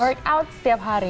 workout setiap hari